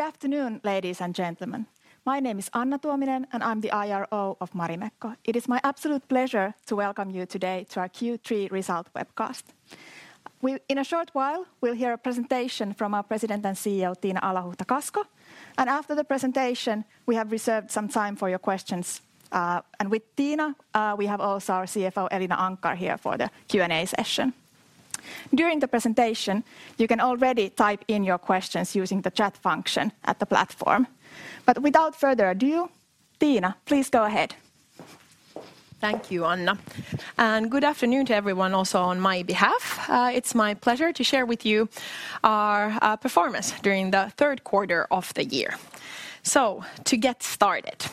Good afternoon, ladies and gentlemen. My name is Anna Tuominen, and I'm the IRO of Marimekko. It is my absolute pleasure to welcome you today to our Q3 result webcast. In a short while, we'll hear a presentation from our President and CEO, Tiina Alahuhta-Kasko, and after the presentation, we have reserved some time for your questions. With Tiina, we have also our CFO, Elina Anckar, here for the Q&A session. During the presentation, you can already type in your questions using the chat function at the platform. Without further ado, Tiina, please go ahead. Thank you, Anna, and good afternoon to everyone also on my behalf. It's my pleasure to share with you our performance during the third quarter of the year. To get started.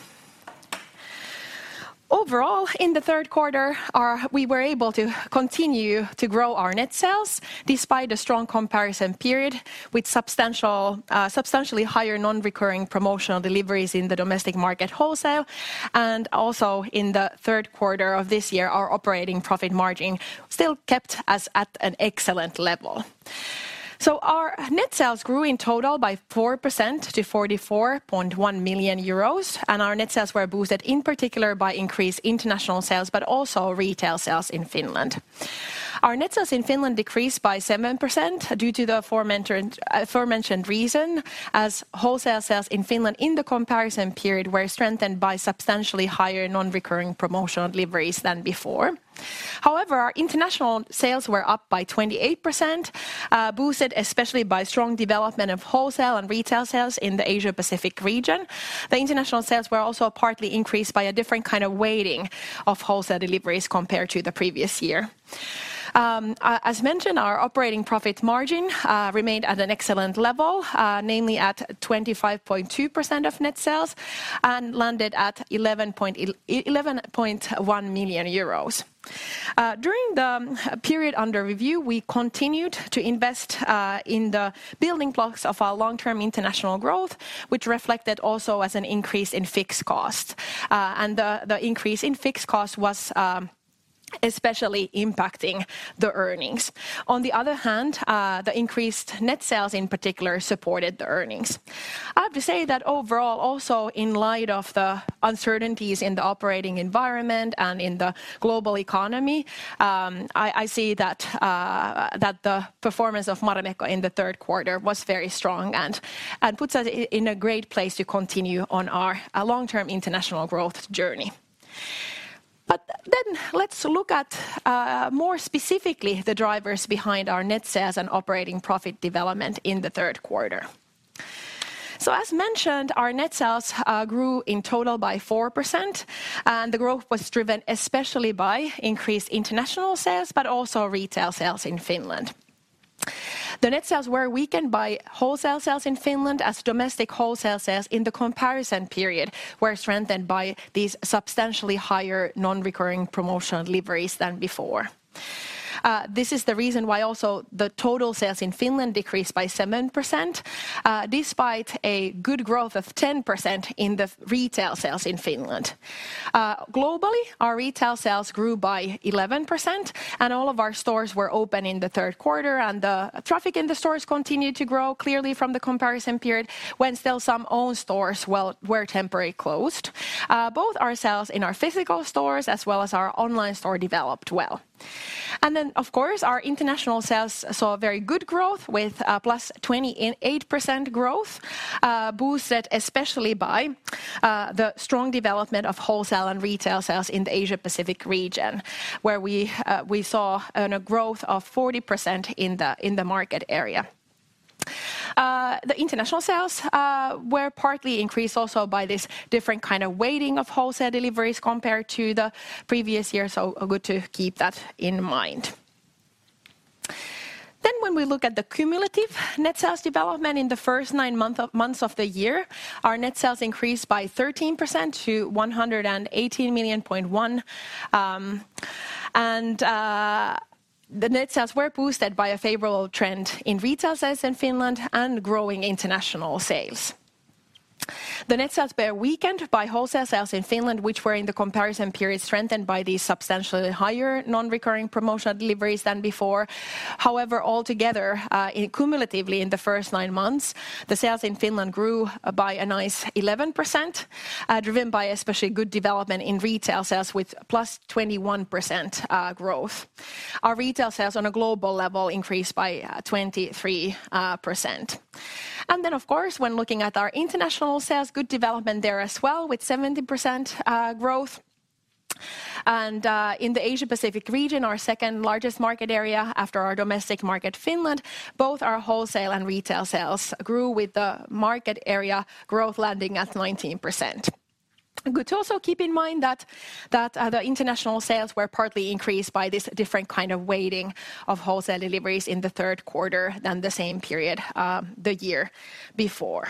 Overall, in the third quarter, we were able to continue to grow our net sales despite a strong comparison period with substantially higher non-recurring promotional deliveries in the domestic market wholesale. In the third quarter of this year, our operating profit margin still kept us at an excellent level. Our net sales grew in total by 4% to 44.1 million euros, and our net sales were boosted, in particular, by increased international sales but also retail sales in Finland. Our net sales in Finland decreased by 7% due to the aforementioned reason, as wholesale sales in Finland in the comparison period were strengthened by substantially higher non-recurring promotional deliveries than before. However, our international sales were up by 28%, boosted especially by strong development of wholesale and retail sales in the Asia-Pacific region. The international sales were also partly increased by a different kind of weighting of wholesale deliveries compared to the previous year. As mentioned, our operating profit margin remained at an excellent level, namely at 25.2% of net sales and landed at 11.1 million euros. During the period under review, we continued to invest in the building blocks of our long-term international growth, which reflected also as an increase in fixed costs. The increase in fixed costs was especially impacting the earnings. On the other hand, the increased net sales in particular supported the earnings. I have to say that overall also in light of the uncertainties in the operating environment and in the global economy, I see that the performance of Marimekko in the third quarter was very strong and puts us in a great place to continue on our long-term international growth journey. Let's look at more specifically the drivers behind our net sales and operating profit development in the third quarter. As mentioned, our net sales grew in total by 4%, and the growth was driven especially by increased international sales but also retail sales in Finland. The net sales were weakened by wholesale sales in Finland as domestic wholesale sales in the comparison period were strengthened by these substantially higher non-recurring promotional deliveries than before. This is the reason why also the total sales in Finland decreased by 7%, despite a good growth of 10% in the retail sales in Finland. Globally, our retail sales grew by 11%, and all of our stores were open in the third quarter, and the traffic in the stores continued to grow clearly from the comparison period when still some own stores were temporary closed. Both our sales in our physical stores as well as our online store developed well. Of course, our international sales saw very good growth with +28% growth, boosted especially by that strong development of wholesale and retail sales in the Asia-Pacific region, where we saw a growth of 40% in the market area. The international sales were partly increased also by this different kind of weighting of wholesale deliveries compared to the previous year, so good to keep that in mind. When we look at the cumulative net sales development in the first nine months of the year, our net sales increased by 13% to 118.1 million. The net sales were boosted by a favorable trend in retail sales in Finland and growing international sales. The net sales were weakened by wholesale sales in Finland, which were in the comparison period strengthened by the substantially higher non-recurring promotional deliveries than before. However, altogether, cumulatively in the first nine months, the sales in Finland grew by a nice 11%, driven by especially good development in retail sales with +21% growth. Our retail sales on a global level increased by 23%. Of course, when looking at our international sales, good development there as well with 70% growth. In the Asia-Pacific region, our second largest market area after our domestic market, Finland, both our wholesale and retail sales grew with the market area growth landing at 19%. Good to also keep in mind that the international sales were partly increased by this different kind of weighting of wholesale deliveries in the third quarter than the same period the year before.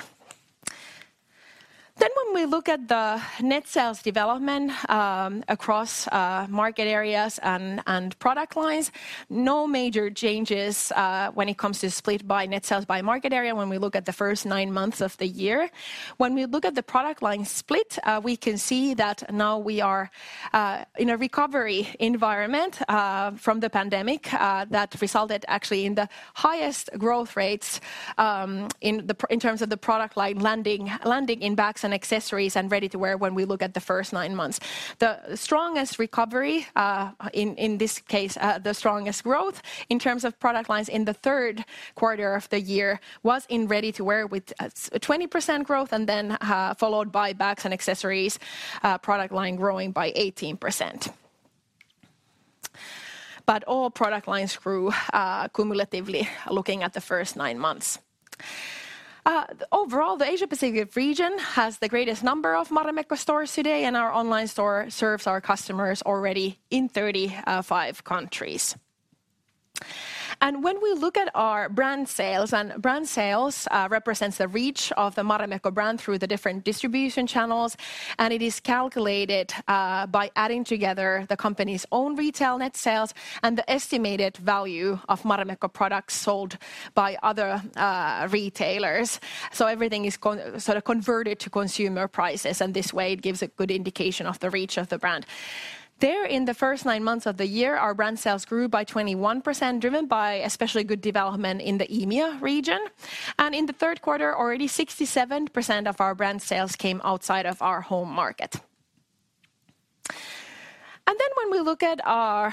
When we look at the net sales development across market areas and product lines, no major changes when it comes to split by net sales by market area when we look at the first nine months of the year. When we look at the product line split, we can see that now we are in a recovery environment from the pandemic that resulted actually in the highest growth rates in terms of the product line landing in bags and accessories and ready-to-wear when we look at the first nine months. The strongest recovery, in this case, the strongest growth in terms of product lines in the third quarter of the year was in ready-to-wear with 20% growth and then followed by bags and accessories product line growing by 18%. All product lines grew cumulatively looking at the first nine months. Overall, the Asia Pacific region has the greatest number of Marimekko stores today, and our online store serves our customers already in 35 countries. When we look at our brand sales, brand sales represents the reach of the Marimekko brand through the different distribution channels, and it is calculated by adding together the company's own retail net sales and the estimated value of Marimekko products sold by other retailers. Everything is sort of converted to consumer prices, and this way it gives a good indication of the reach of the brand. There in the first nine months of the year, our brand sales grew by 21%, driven by especially good development in the EMEA region. In the third quarter, already 67% of our brand sales came outside of our home market. When we look at our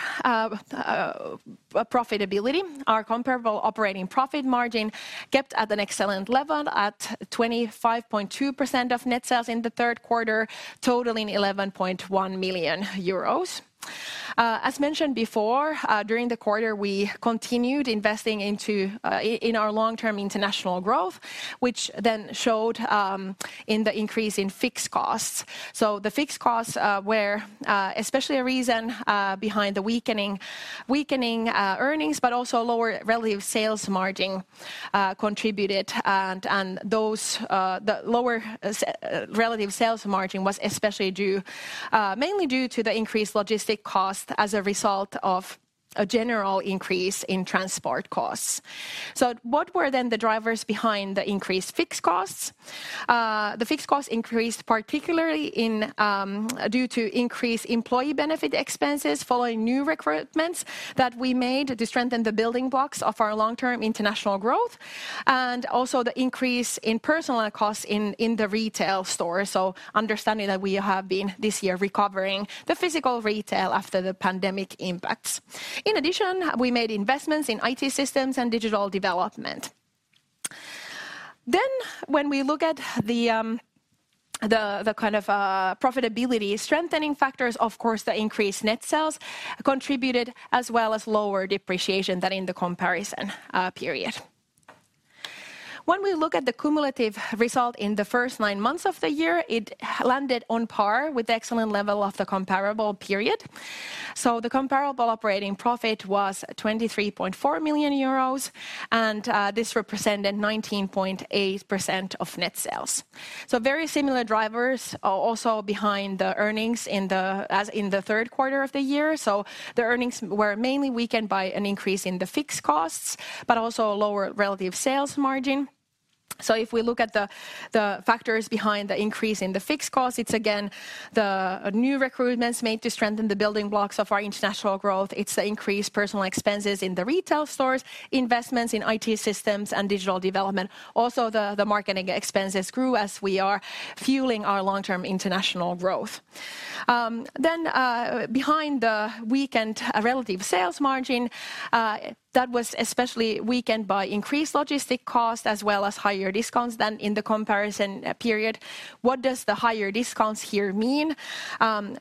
profitability, our comparable operating profit margin kept at an excellent level at 25.2% of net sales in the third quarter, totaling 11.1 million euros. As mentioned before, during the quarter, we continued investing into our long-term international growth, which then showed in the increase in fixed costs. The fixed costs were especially a reason behind the weakening earnings, but also lower relative sales margin contributed, and those the lower relative sales margin was especially mainly due to the increased logistics costs as a result of a general increase in transport costs. What were then the drivers behind the increased fixed costs? The fixed costs increased particularly due to increased employee benefit expenses following new recruitments that we made to strengthen the building blocks of our long-term international growth, and also the increase in personnel costs in the retail store. Understanding that we have been this year recovering the physical retail after the pandemic impacts. In addition, we made investments in IT systems and digital development. When we look at the profitability strengthening factors, of course, the increased net sales contributed as well as lower depreciation than in the comparison period. When we look at the cumulative result in the first nine months of the year, it landed on par with excellent level of the comparable period. The comparable operating profit was 23.4 million euros, and this represented 19.8% of net sales. Very similar drivers are also behind the earnings in the third quarter of the year. The earnings were mainly weakened by an increase in the fixed costs, but also a lower relative sales margin. If we look at the factors behind the increase in the fixed costs, it's again the new recruitments made to strengthen the building blocks of our international growth. It's the increased personnel expenses in the retail stores, investments in IT systems and digital development. Also, the marketing expenses grew as we are fueling our long-term international growth. Behind the weakened relative sales margin, that was especially weakened by increased logistics costs as well as higher discounts than in the comparison period. What does the higher discounts here mean?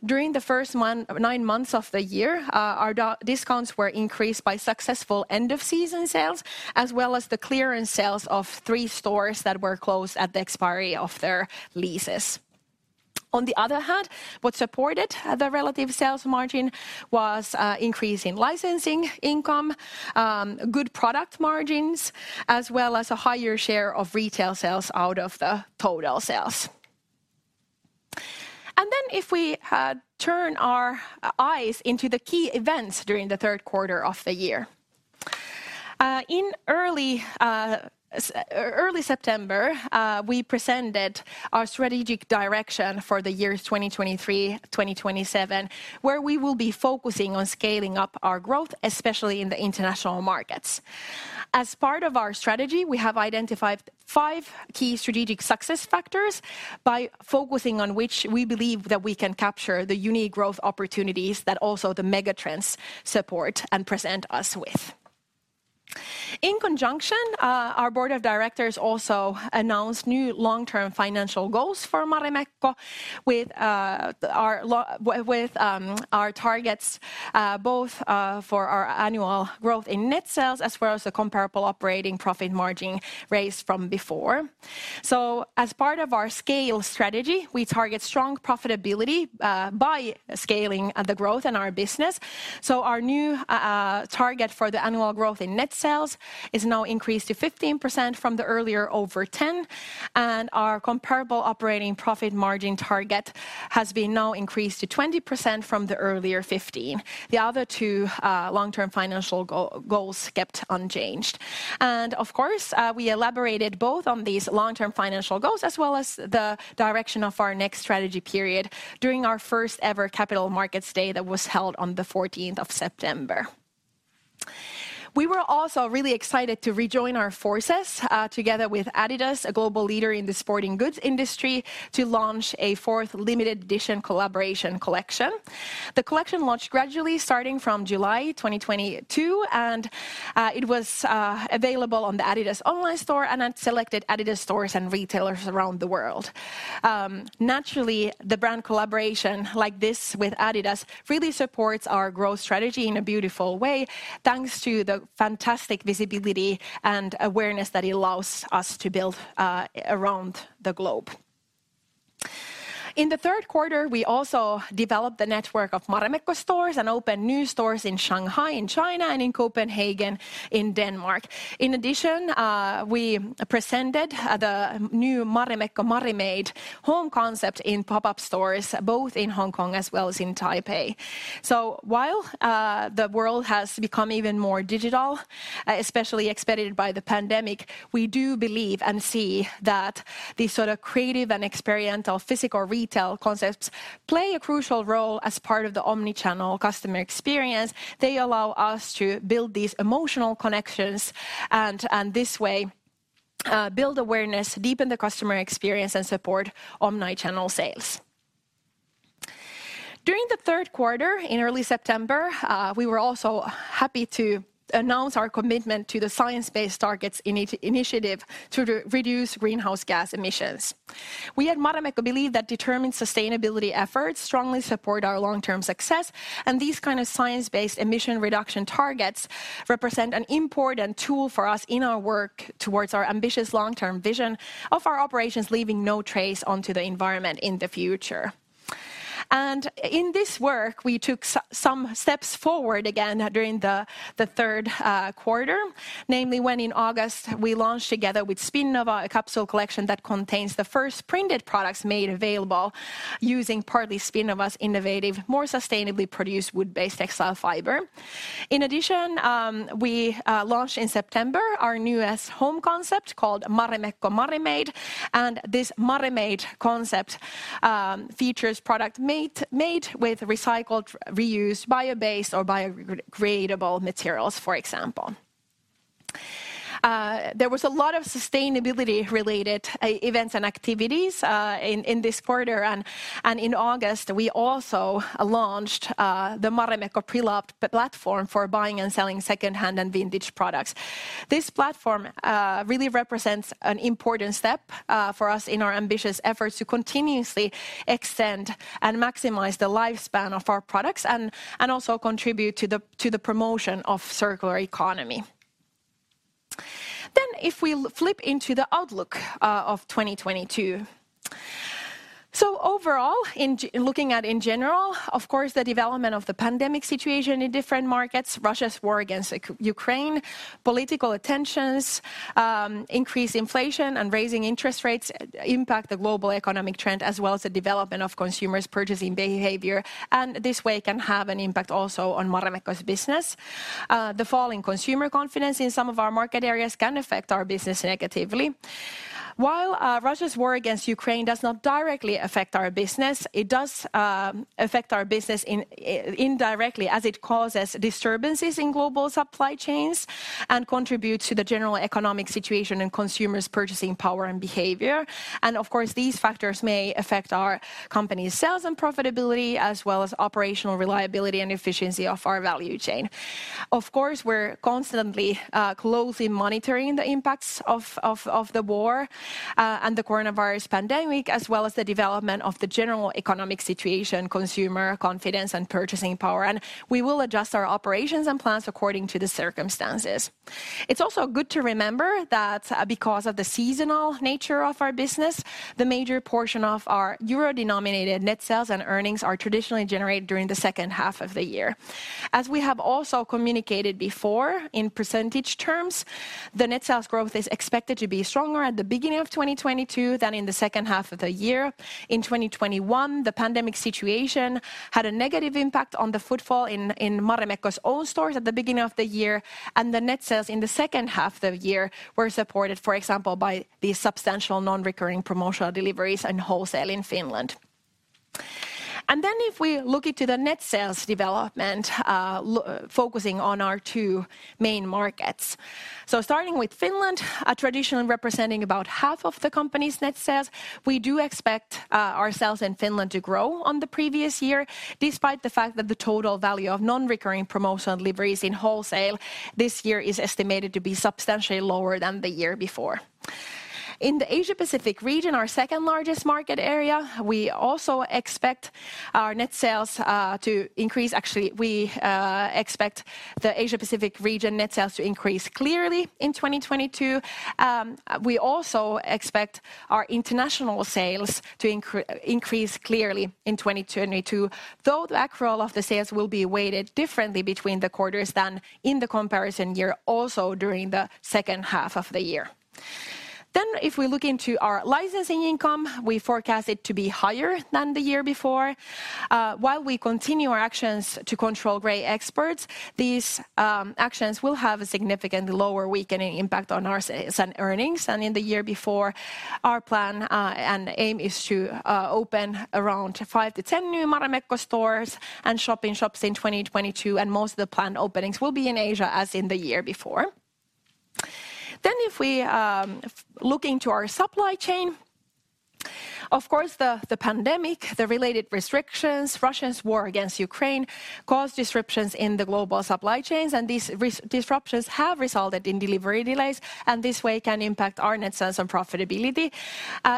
During the first nine months of the year, our discounts were increased by successful end of season sales, as well as the clearance sales of three stores that were closed at the expiry of their leases. On the other hand, what supported the relative sales margin was increase in licensing income, good product margins, as well as a higher share of retail sales out of the total sales. If we turn our eyes into the key events during the third quarter of the year. In early September, we presented our strategic direction for the years 2023, 2027, where we will be focusing on scaling up our growth, especially in the international markets. As part of our strategy, we have identified five key strategic success factors by focusing on which we believe that we can capture the unique growth opportunities that also the megatrends support and present us with. In conjunction, our board of directors also announced new long-term financial goals for Marimekko with our targets, both for our annual growth in net sales as well as the comparable operating profit margin raised from before. As part of our scale strategy, we target strong profitability by scaling the growth in our business. Our new target for the annual growth in net sales is now increased to 15% from the earlier over 10%, and our comparable operating profit margin target has been now increased to 20% from the earlier 15%. The other two long-term financial goals kept unchanged. Of course, we elaborated both on these long-term financial goals as well as the direction of our next strategy period during our first ever Capital Markets Day that was held on the 14th of September. We were also really excited to rejoin our forces together with Adidas, a global leader in the sporting goods industry, to launch a fourth limited edition collaboration collection. The collection launched gradually starting from July 2022, and it was available on the Adidas online store and at selected Adidas stores and retailers around the world. Naturally, the brand collaboration like this with Adidas really supports our growth strategy in a beautiful way, thanks to the fantastic visibility and awareness that it allows us to build around the globe. In the third quarter, we also developed the network of Marimekko stores and opened new stores in Shanghai, in China, and in Copenhagen, in Denmark. In addition, we presented the new Marimekko Marimade home concept in pop-ups stores, both in Hong Kong as well as in Taipei. While the world has become even more digital, especially expedited by the pandemic, we do believe and see that these sort of creative and experiential physical retail concepts play a crucial role as part of the omnichannel customer experience. They allow us to build these emotional connections and this way build awareness, deepen the customer experience, and support omnichannel sales. During the third quarter, in early September, we were also happy to announce our commitment to the Science Based Targets initiative to reduce greenhouse gas emissions. We at Marimekko believe that determined sustainability efforts strongly support our long-term success, and these kind of science-based emission reduction targets represent an important tool for us in our work towards our ambitious long-term vision of our operations leaving no trace onto the environment in the future. In this work, we took some steps forward again during the third quarter, namely when in August, we launched together with Spinnova a capsule collection that contains the first printed products made available using partly Spinnova's innovative, more sustainably produced wood-based textile fiber. In addition, we launched in September our newest home concept called Marimekko Marimade, and this Marimade concept features product made with recycled, reused, bio-based, or biodegradable materials, for example. There was a lot of sustainability-related events and activities in this quarter. In August, we also launched the Marimekko Pre-loved platform for buying and selling second-hand and vintage products. This platform really represents an important step for us in our ambitious efforts to continuously extend and maximize the lifespan of our products and also contribute to the promotion of circular economy. If we flip into the outlook of 2022. Overall, looking at in general, of course, the development of the pandemic situation in different markets, Russia's war against Ukraine, political tensions, increased inflation and rising interest rates impact the global economic trend as well as the development of consumers' purchasing behavior, and this way can have an impact also on Marimekko's business. The fall in consumer confidence in some of our market areas can affect our business negatively. While Russia's war against Ukraine does not directly affect our business, it does affect our business indirectly as it causes disturbances in global supply chains and contributes to the general economic situation and consumers' purchasing power and behavior. Of course, these factors may affect our company's sales and profitability as well as operational reliability and efficiency of our value chain. Of course, we're constantly closely monitoring the impacts of the war and the coronavirus pandemic as well as the development of the general economic situation, consumer confidence and purchasing power. We will adjust our operations and plans according to the circumstances. It's also good to remember that because of the seasonal nature of our business, the major portion of our euro-denominated net sales and earnings are traditionally generated during the second half of the year. As we have also communicated before in percentage terms, the net sales growth is expected to be stronger at the beginning of 2022 than in the second half of the year. In 2021, the pandemic situation had a negative impact on the footfall in Marimekko's own stores at the beginning of the year, and the net sales in the second half the year were supported, for example, by the substantial non-recurring promotional deliveries and wholesale in Finland. If we look into the net sales development, focusing on our two main markets. Starting with Finland, traditionally representing about half of the company's net sales, we do expect our sales in Finland to grow on the previous year, despite the fact that the total value of non-recurring promotional deliveries in wholesale this year is estimated to be substantially lower than the year before. In the Asia-Pacific region, our second-largest market area, we also expect our net sales to increase. Actually, we expect the Asia-Pacific region net sales to increase clearly in 2022. We also expect our international sales to increase clearly in 2022, though the actual of the sales will be weighted differently between the quarters than in the comparison year, also during the second half of the year. If we look into our licensing income, we forecast it to be higher than the year before. While we continue our actions to control grey exports, these actions will have a significantly lower weakening impact on our sales and earnings than in the year before. Our plan and aim is to open around 5-10 new Marimekko stores and Shop‑in‑Shops in 2022, and most of the planned openings will be in Asia, as in the year before. If we look into our supply chain, of course, the pandemic, the related restrictions, Russia's war against Ukraine caused disruptions in the global supply chains, and these disruptions have resulted in delivery delays, and this way can impact our net sales and profitability.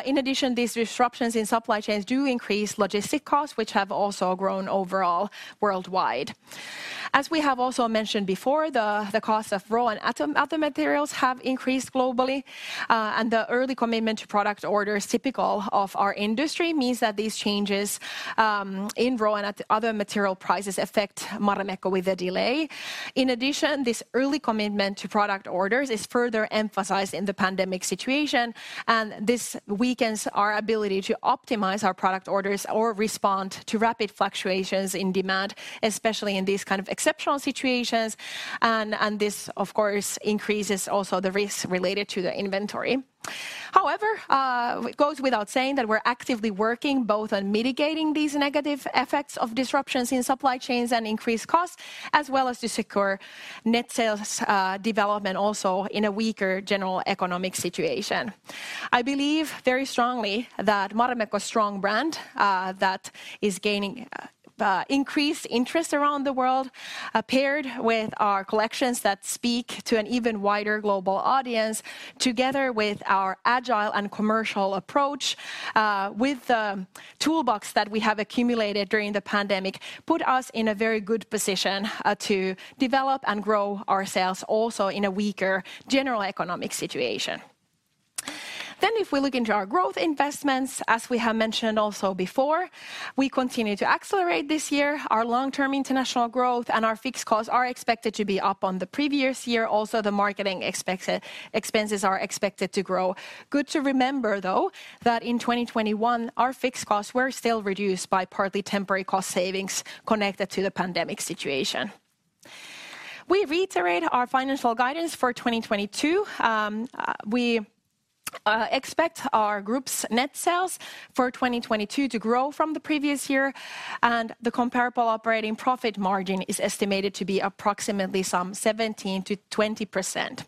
In addition, these disruptions in supply chains do increase logistics costs, which have also grown overall worldwide. As we have also mentioned before, the cost of raw and other materials have increased globally, and the early commitment to product orders typical of our industry means that these changes in raw and other material prices affect Marimekko with a delay. In addition, this early commitment to product orders is further emphasized in the pandemic situation, and this weakens our ability to optimize our product orders or respond to rapid fluctuations in demand, especially in these kind of exceptional situations. This, of course, increases also the risk related to the inventory. However, it goes without saying that we're actively working both on mitigating these negative effects of disruptions in supply chains and increased costs, as well as to secure net sales development also in a weaker general economic situation. I believe very strongly that Marimekko's strong brand, that is gaining increased interest around the world, paired with our collections that speak to an even wider global audience, together with our agile and commercial approach, with the toolbox that we have accumulated during the pandemic, put us in a very good position, to develop and grow our sales also in a weaker general economic situation. If we look into our growth investments, as we have mentioned also before, we continue to accelerate this year. Our long-term international growth and our fixed costs are expected to be up on the previous year. Also, the marketing expenses are expected to grow. Good to remember, though, that in 2021, our fixed costs were still reduced by partly temporary cost savings connected to the pandemic situation. We reiterate our financial guidance for 2022. We expect our group's net sales for 2022 to grow from the previous year, and the comparable operating profit margin is estimated to be approximately some 17%-20%.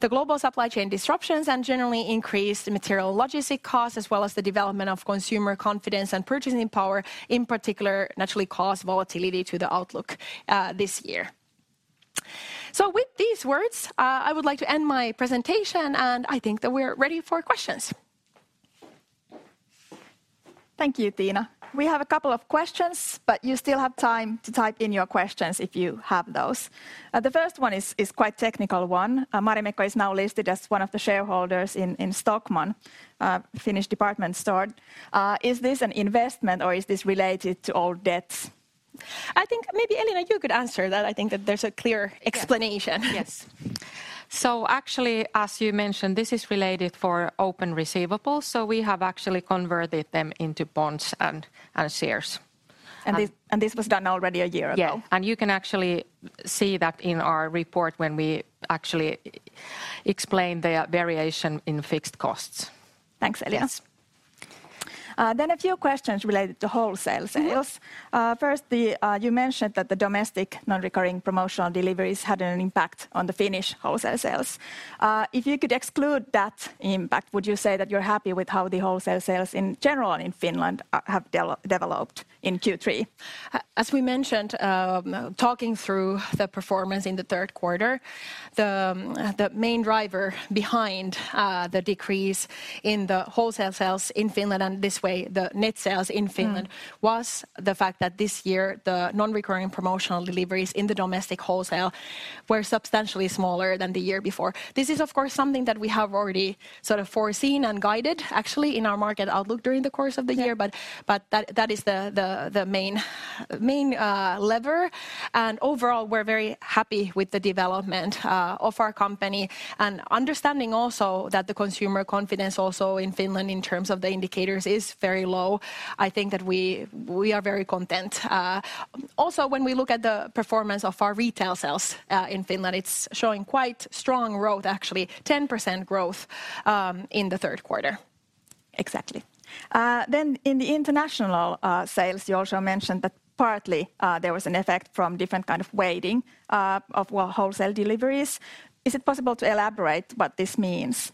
The global supply chain disruptions and generally increased material logistic costs, as well as the development of consumer confidence and purchasing power, in particular, naturally cause volatility to the outlook, this year. With these words, I would like to end my presentation, and I think that we're ready for questions. Thank you, Tiina. We have a couple of questions, but you still have time to type in your questions if you have those. The first one is quite technical one. Marimekko is now listed as one of the shareholders in Stockmann, Finnish department store. Is this an investment, or is this related to old debts? I think maybe, Elina, you could answer that. I think that there's a clear explanation. Yeah. Yes. Actually, as you mentioned, this is related to open receivables, so we have actually converted them into bonds and shares. This was done already a year ago. Yeah, you can actually see that in our report when we actually explain the variation in fixed costs. Thanks, Elina. A few questions related to wholesale sales. Mm-hmm. Firstly, you mentioned that the domestic non-recurring promotional deliveries had an impact on the Finnish wholesale sales. If you could exclude that impact, would you say that you're happy with how the wholesale sales in general and in Finland have developed in Q3? As we mentioned, talking through the performance in the third quarter, that main driver behind the decrease in the wholesale sales in Finland and, this way, the net sales in Finland. Mm Was the fact that this year the non-recurring promotional deliveries in the domestic wholesale were substantially smaller than the year before. This is of course something that we have already sort of foreseen and guided actually in our market outlook during the course of the year. Yeah. That is the main lever. Overall, we're very happy with the development of our company and understanding also that the consumer confidence also in Finland in terms of the indicators is very low. I think that we are very content. Also when we look at the performance of our retail sales in Finland, it's showing quite strong growth actually, 10% growth, in the third quarter. Exactly. In the international sales, you also mentioned that partly there was an effect from different kind of weighting of wholesale deliveries. Is it possible to elaborate what this means?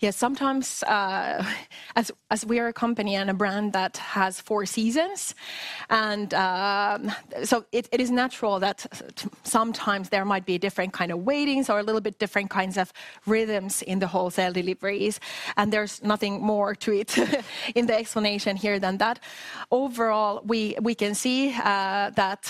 Yes. Sometimes, as we are a company and a brand that has four seasons, and it is natural that sometimes there might be different kind of weightings or a little bit different kinds of rhythms in the wholesale deliveries, and there's nothing more to it in the explanation here than that. Overall, we can see that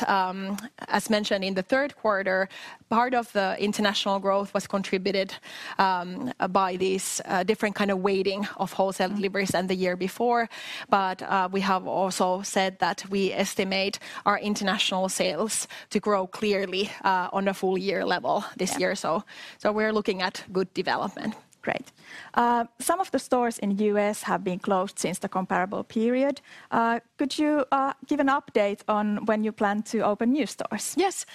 as mentioned in the third quarter, part of the international growth was contributed by this different kind of weighting of wholesale deliveries than the year before. We have also said that we estimate our international sales to grow clearly on a full year level this year. Yeah. We're looking at good development. Great. Some of the stores in U.S. have been closed since the comparable period. Could you give an update on when you plan to open new stores? Yes.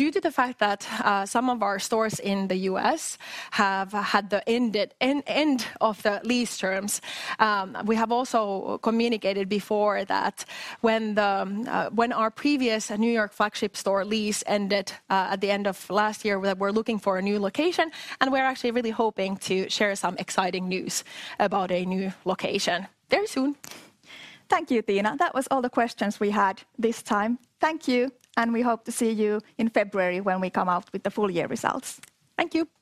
Due to the fact that some of our stores in the U.S. have had the end of the lease terms, we have also communicated before that when our previous New York flagship store lease ended at the end of last year, we're looking for a new location, and we're actually really hoping to share some exciting news about a new location very soon. Thank you, Tiina. That was all the questions we had this time. Thank you, and we hope to see you in February when we come out with the full year results. Thank you.